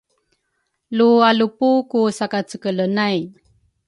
Lu alupu ku sakacekele nay